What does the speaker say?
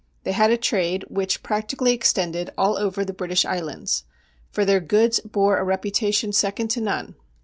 They had a trade which practically extended all over the British Islands, for their goods bore a reputation second to none.